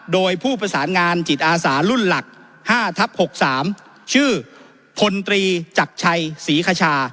โดยผู้ประสานงานจิตอาสารุ่นหลัก๕ทับ๖๓ชื่อพลตรีจักรชัยศรีคชา